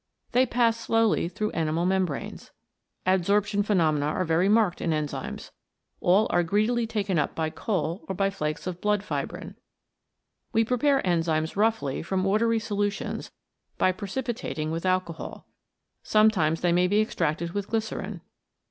They pass slowly through animal membranes. Adsorption phenomena are very marked in enzymes. All are greedily taken up by coal or by flakes of blood fibrin. We prepare enzymes roughly from watery solutions by pre cipitating with alcohol. Sometimes they may be extracted with glycerine.